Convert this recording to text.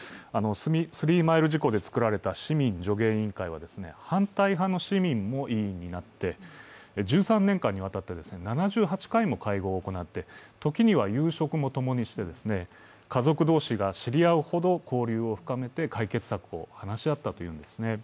スリーマイル事故で作られた市民助言委員会は反対派の市民も委員になって１３年間にわたって７８回も会合を行って時には夕食も共にして、家族同士が知り合うほど交流を深めて解決策を話し合ったというんですね。